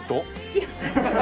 いや。